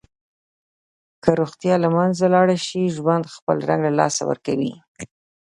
که روغتیا له منځه لاړه شي، ژوند خپل رنګ له لاسه ورکوي.